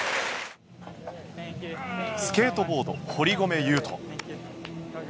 スケートボード堀米雄斗。